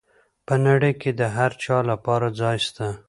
په نړۍ کي د هر چا لپاره ځای سته.